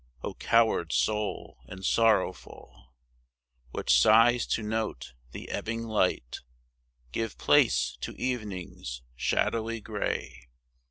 O coward soul and sorrowful, Which sighs to note the ebbing light Give place to evening's shadowy gray!